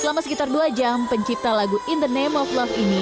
selama sekitar dua jam pencipta lagu in the name of love ini